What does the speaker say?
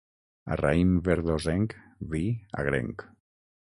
A raïm verdosenc, vi agrenc.